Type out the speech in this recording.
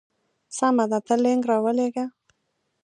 سمه ده ته لینک راولېږه.